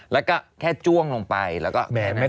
แล้วก็แค่จ้วงลงไปแล้วก็แมน